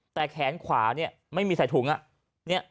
แต่แขนขวาเนี่ยไม่มีใส่ถุง